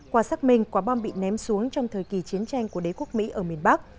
qua xác minh quả bom bị ném xuống trong thời kỳ chiến tranh của đế quốc mỹ ở miền bắc